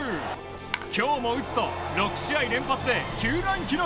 今日も打つと６試合連発で球団記録